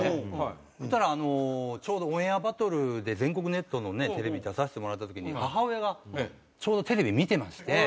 そしたらあのちょうど『オンエアバトル』で全国ネットのねテレビ出させてもらった時に母親がちょうどテレビ見てまして。